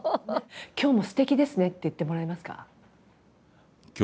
「今日もすてきですね」って言ってもらえますか？